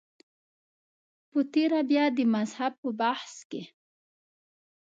په تېره بیا د مذهب په بحث کې.